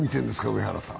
上原さん。